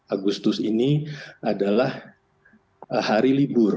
agustus ini adalah hari libur